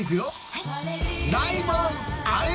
はい。